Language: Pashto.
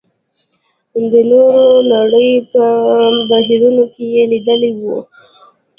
د نورې نړۍ په بهیرونو کې یې لېدلي وو.